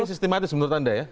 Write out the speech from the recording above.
jadi sistematis menurut anda ya